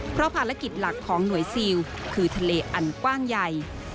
เพราะภารกิจหลักของหน่วยซิลคือทะเลอันกว้างใหญ่